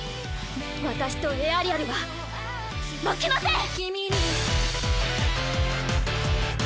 私とエアリアルは負けません！